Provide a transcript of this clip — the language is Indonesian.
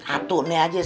satu ini aja